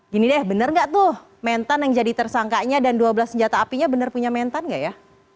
gini deh bener gak tuh mentan yang jadi tersangkanya dan dua belas senjata apinya benar punya mentan gak ya